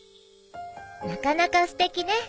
なかなかすてきね。